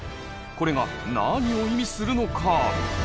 これが何を意味するのか？